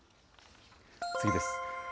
次です。